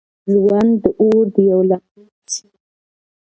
ژوند د اور د یوې لمبې په څېر دی.